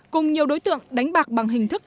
cùng nhiều đối tượng đánh bạc bằng hình thức